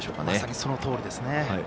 まさにそのとおりですね。